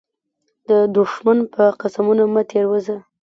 د دښمن په قسمو مه تير وزه.